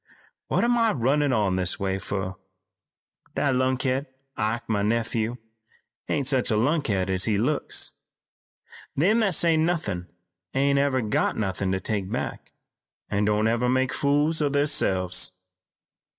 What am I runnin' on this way fur? That lunkhead, Ike, my nephew, ain't such a lunkhead as he looks. Them that say nothin' ain't never got nothin' to take back, an' don't never make fools o' theirselves.